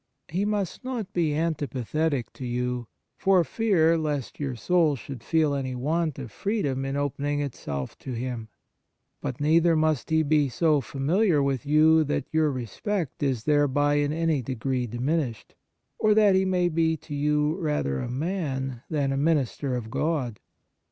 He must not be antipathetic to you, for fear lest your soul should feel any want of freedom in opening itself to him ; but neither must he be so familiar with you that your respect is thereby in any degree diminished, or that he may be to you rather a man than a minister of God.